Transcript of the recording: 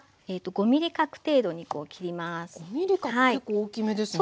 ５ｍｍ角結構大きめですね。